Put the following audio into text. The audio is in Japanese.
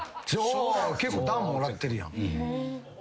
結構段もらってるやん。